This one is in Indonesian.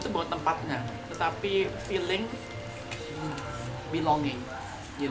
itu bawa tempatnya tetapi feeling belonging